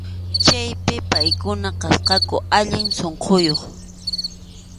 Chaypi paykuna kasqaku allin sunquyuq.